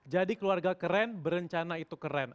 jadi keluarga keren berencana itu keren